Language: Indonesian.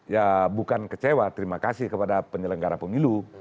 ya bukan kecewa terima kasih kepada penyelenggara pemilu